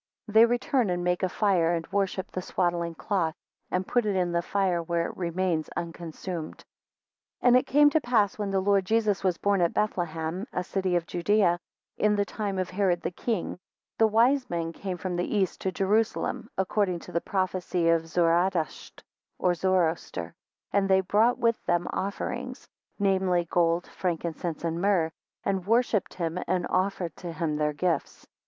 4 They return and make a fire, and worship the swaddling cloth, and put it in the fire where it remains unconsumed. AND it came to pass, when the Lord Jesus was born at Bethlehem, a city of Judaea, in the time of Herod the King; the wise men came from the East to Jerusalem, according to the prophecy of Zoradascht, [Zoroaster] and brought with them offerings: namely, gold, frankincense, and myrrh, and worshipped him, and offered to him their gifts.